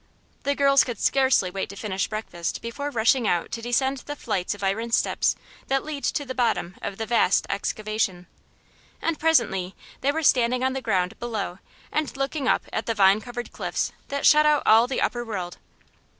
The girls could scarcely wait to finish breakfast before rushing out to descend the flights of iron steps that lead to the bottom of the vast excavation. And presently they were standing on the ground below and looking up at the vine covered cliffs that shut out all of the upper world.